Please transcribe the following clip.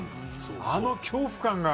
あの恐怖感が。